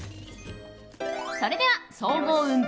それでは総合運